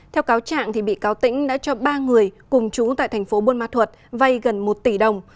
theo cáo trạng bị cáo tĩnh đã cho ba người cùng trú tại thành phố buôn ma thuật vay gần một tỷ đồng